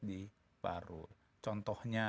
di paru contohnya